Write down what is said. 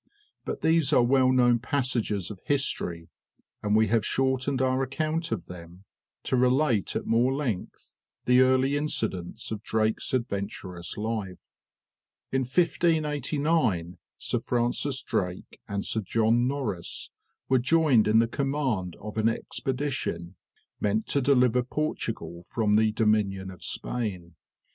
But these are well known passages of history, and we have shortened our account of them, to relate at more length the early incidents of Drake's adventurous life. In 1589 Sir Francis Drake and Sir John Norris were joined in the command of an expedition, meant to deliver Portugal from the dominion of Spain.